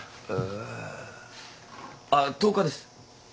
えあっ１０日です。